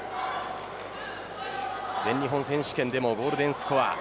全日本選手権でもゴールデンスコア。